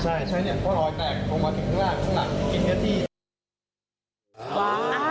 ใช่ใช่เนี่ยก็รอยแตกลงมาถึงข้างหล่างข้างหลัง